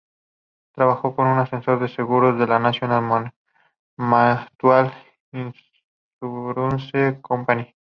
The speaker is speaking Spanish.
Trabajó como asesor de seguros con la National Mutual Insurance Company.